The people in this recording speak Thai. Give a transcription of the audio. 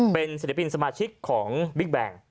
เป็นศิลปินสมาชิกของบิ๊กแบงค์